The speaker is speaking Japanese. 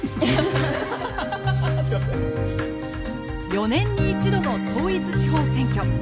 ４年に１度の統一地方選挙。